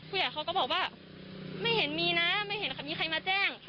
ผู้ใหญ่เขาก็บอกว่าไม่เห็นมีนะไม่เห็นมีใครมาแจ้ง